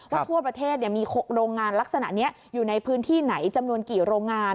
ทั่วประเทศมีโรงงานลักษณะนี้อยู่ในพื้นที่ไหนจำนวนกี่โรงงาน